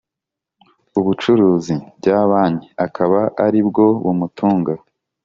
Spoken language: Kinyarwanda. ubucuruzi bya banki akaba ari bwo bumutunga